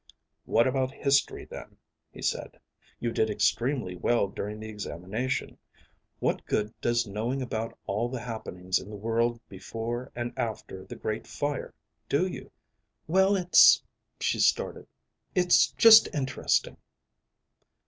"What about history, then?" he said. "You did extremely well during the examination. What good does knowing about all the happenings in the world before and after the Great Fire do you?" "Well, it's ..." she started. "It's just interesting."